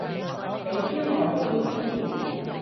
你挑我哋機之前